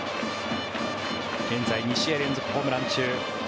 現在、２試合連続ホームラン中。